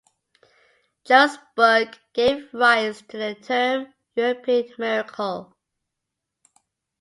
Jones's book gave rise to the term "European miracle".